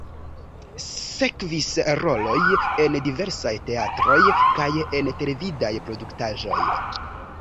Sekvis roloj en diversaj teatroj kaj en televidaj produktaĵoj.